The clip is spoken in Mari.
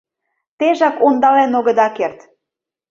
Тежак ондален огыда керт!